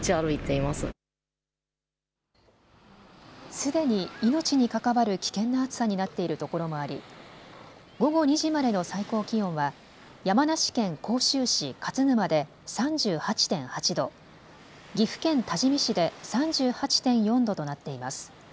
すでに命に関わる危険な暑さになっている所もあり午後２時までの最高気温は山梨県甲州市勝沼で３８．８度、岐阜県多治見市で３８．４度となっています。